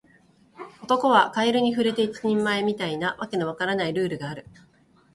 男にはカエルに触れて一人前、みたいな訳の分からないルールがある